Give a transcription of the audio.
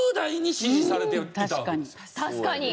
確かに。